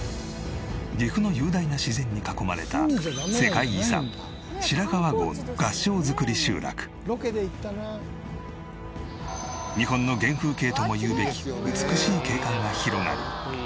岐阜の雄大な自然に囲まれた日本の原風景とも言うべき美しい景観が広がり。